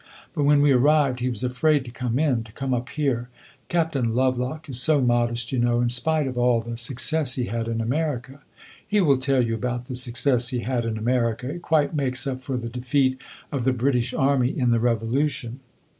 But when we arrived, he was afraid to come in to come up here. Captain Lovelock is so modest, you know in spite of all the success he had in America. He will tell you about the success he had in America; it quite makes up for the defeat of the British army in the Revolution.